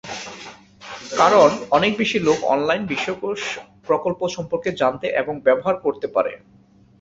কারণ অনেক বেশি লোক অনলাইন বিশ্বকোষ প্রকল্প সম্পর্কে জানতে এবং ব্যবহার করতে পারে।